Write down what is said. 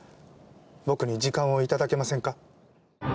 僕に時間を頂けませんか。